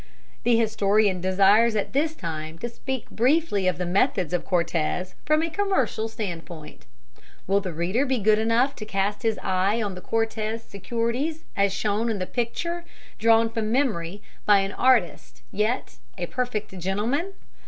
The historian desires at this time to speak briefly of the methods of Cortez from a commercial stand point. Will the reader be good enough to cast his eye on the Cortez securities as shown in the picture drawn from memory by an artist yet a perfect gentleman?